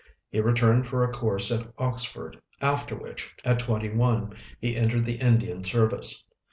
He returned for a course at Oxford, after which, at twenty one, he entered the Indian service.